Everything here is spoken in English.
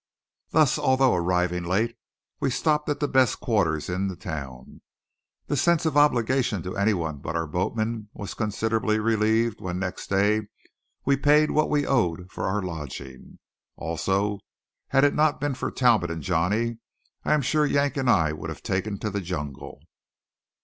Thus, although arriving late, we stopped at the best quarters in the town. The sense of obligation to any one but our boatman was considerably relieved when next day we paid what we owed for our lodging. Also, had it not been for Talbot and Johnny, I am sure Yank and I would have taken to the jungle.